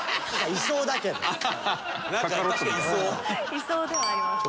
いそうではありますね。